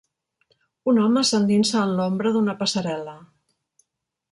Un home s'endinsa en l'ombra d'una passarel·la.